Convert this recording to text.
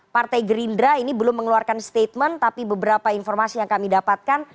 partai gerindra ini belum mengeluarkan statement tapi beberapa informasi yang kami dapatkan